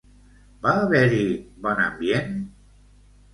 Va haver-hi bon ambient?